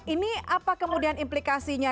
ini apa kemudian implikasinya